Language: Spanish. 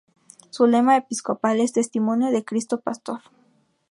Su lema Episcopal es “Testimonio de Cristo Pastor“.